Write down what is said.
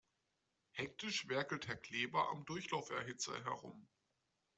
Hektisch werkelt Herr Kleber am Durchlauferhitzer herum.